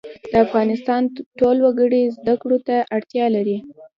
د افغانستان ټول وګړي زده کړو ته اړتیا لري